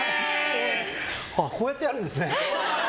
こうやってやるんですね。